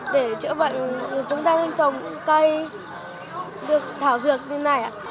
để chữa bệnh chúng ta nên trồng cây được thảo dược bên này ạ